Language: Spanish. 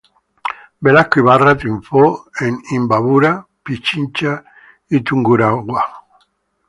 Velasco Ibarra triunfó en Imbabura, Pichincha y Tungurahua.